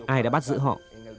ai đã bắt giữ họ